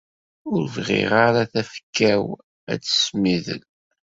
Ur bɣiɣ ara tafekka-w ad tesmidel.